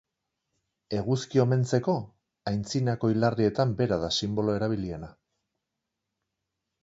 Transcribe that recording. Eguzki omentzeko, antzinako hilarrietan bera da sinbolo erabiliena.